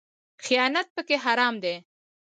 خیانت پکې حرام دی